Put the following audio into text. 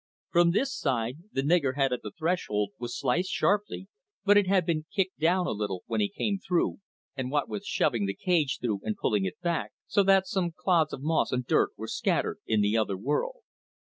From this side, the niggerhead at the threshold was sliced sharply, but it had been kicked down a little when he came through, and what with shoving the cage through and pulling it back, so that some clods of moss and dirt were scattered in the other world.